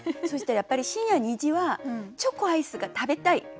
そしたらやっぱり深夜２時はチョコアイスが食べたい！